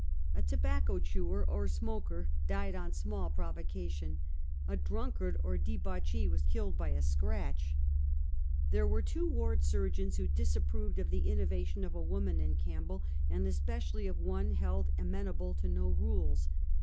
A tobacco chewer or smoker died on small provocation. A drunkard or debauchee was killed by a scratch. There were two ward surgeons who disapproved of the innovation of a woman in Campbell, and especially of one held amenable to no rules.